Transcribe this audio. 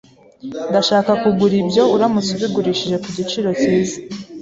Ndashaka kugura ibyo uramutse ubigurishije ku giciro cyiza.